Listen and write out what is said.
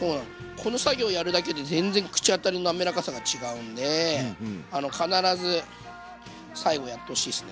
この作業やるだけで全然口当たりのなめらかさが違うんで必ず最後やってほしいですね。